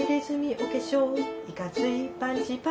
お化粧いかついパンチパーマ